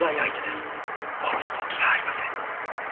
殺す動機がありません。